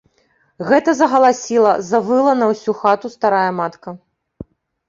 Гэта загаласіла, завыла на ўсю хату старая матка.